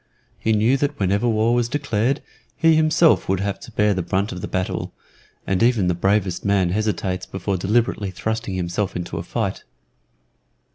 He knew that whenever war was declared, he himself would have to bear the brunt of the battle, and even the bravest man hesitates before deliberately thrusting himself into a fight.